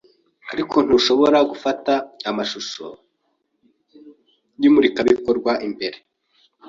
ariko ntushobora gufata amashusho yimurikabikorwa imbere